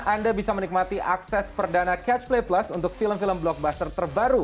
anda bisa menikmati akses perdana catch play plus untuk film film blockbuster terbaru